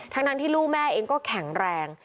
ทั้งที่ลูกแม่เองก็แข็งแรง